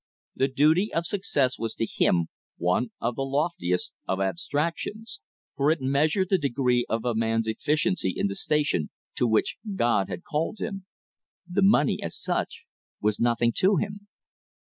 The duty of success was to him one of the loftiest of abstractions, for it measured the degree of a man's efficiency in the station to which God had called him. The money, as such, was nothing to him.